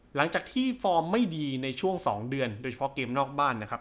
หลังจากที่ฟอร์มไม่ดีในช่วง๒เดือนโดยเฉพาะเกมนอกบ้านนะครับ